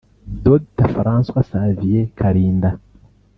Dr François Xavier Kalinda